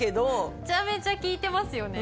めちゃめちゃ効いてますよね。